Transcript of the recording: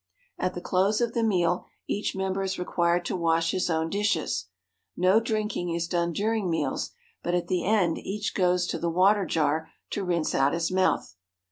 At the close of the meal each member is required to wash his own dishes. No drinking is done during meals, but at the end each goes to the water jar to rinse out his mouth.